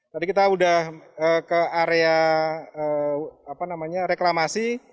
tadi kita sudah ke area reklamasi